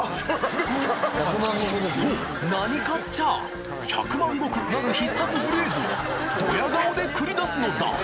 そうなにかっちゃあ「百万石」なる必殺フレーズをドヤ顔で繰り出すのだ！